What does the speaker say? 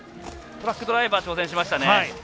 ドライバー挑戦しましたね。